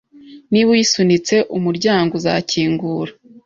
Niba uyisunitse, umuryango uzakingura.